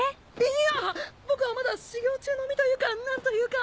いや僕はまだ修業中の身というか何というか。